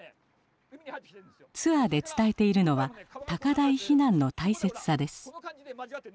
ツアーで伝えているのは高台避難の大切さです。